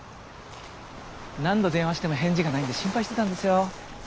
何度電話しても返事がないんで心配してたんですよ。